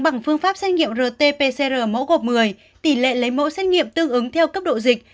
bằng phương pháp xét nghiệm rt pcr mẫu gộp một mươi tỷ lệ lấy mẫu xét nghiệm tương ứng theo cấp độ dịch